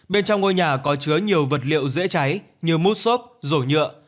bên trong ngôi nhà có chứa nhiều vật liệu dễ cháy như mút xốp rổ nhựa